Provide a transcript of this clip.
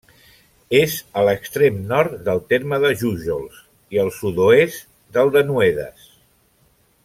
És a l'extrem nord del terme de Jújols i al sud-oest del de Noedes.